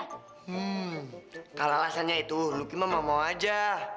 hmm kalau alasannya itu lo kima mau mau aja